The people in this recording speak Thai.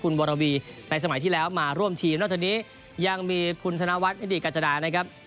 ในสมัยที่แล้วมาร่วมทีมนอกจากนี้ยังมีคุณธนวัฒน์อินดิกัจจาดานะครับ